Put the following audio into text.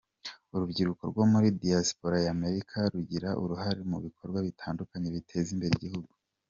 Urubyiruko rwo muri Diaspora ya Amerika rugira uruhare mu bikorwa bitandukanye biteza imbere igihugu.